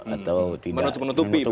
atau tidak menutupi gitu ya